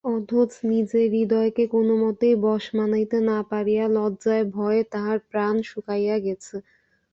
অথচ নিজের হৃদয়কে কোনোমতেই বশ মানাইতে না পারিয়া লজ্জায় ভয়ে তাহার প্রাণ শুকাইয়া গেছে।